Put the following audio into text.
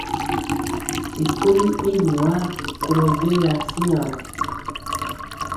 Sikoli i nwaa kolɔ jegi asiŋa.